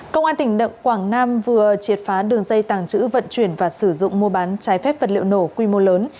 công an tp đồng hới vừa triệt phá đường dây tàng trữ vận chuyển và sử dụng mua bán trái phép vật liệu nổ quy mô lớn